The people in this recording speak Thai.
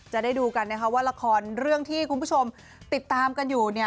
จะได้ดูกันนะคะว่าละครเรื่องที่คุณผู้ชมติดตามกันอยู่